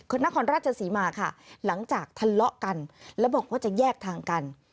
นครราชศรีมาค่ะหลังจากทะเลาะกันแล้วบอกว่าจะแยกทางกัน